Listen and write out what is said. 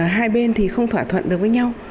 hai bên thì không thỏa thuận được với nhau